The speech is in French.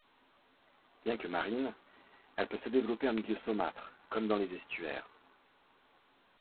Bien que marine, elle peut se développer en milieu saumâtre, comme dans les estuaires.